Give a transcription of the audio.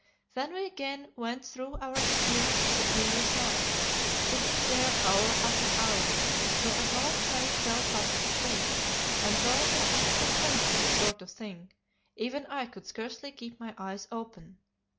"Then we again went through our experience of the previous night, sitting there hour after hour, till at last Harry fell fast asleep, and, though I am accustomed to this sort of thing, even I could scarcely keep my eyes open.